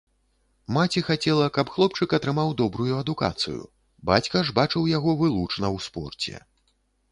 Маці хацела, каб хлопчык атрымаў добрую адукацыю, бацька ж бачыў яго вылучна ў спорце.